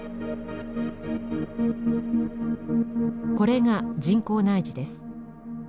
これが人工内耳です。